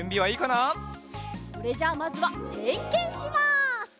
それじゃまずはてんけんします。